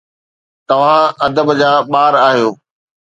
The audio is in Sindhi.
توهان ادب جا ٻار آهيو